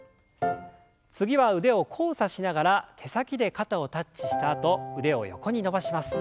次は腕を交差しながら手先で肩をタッチしたあと腕を横に伸ばします。